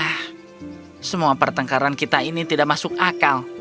hah semua pertengkaran kita ini tidak masuk akal